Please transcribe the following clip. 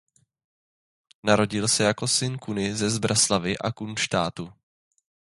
Narodil se jako syn Kuny ze Zbraslavi a Kunštátu.